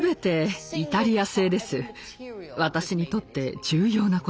私にとって重要なことです。